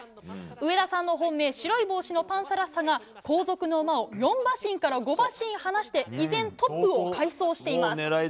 上田さんの本命白い帽子のパンサラッサが後続の馬を４馬身から５馬身離して依然トップを快走しています。